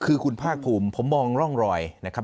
คือคุณภาคภูมิผมมองร่องรอยนะครับ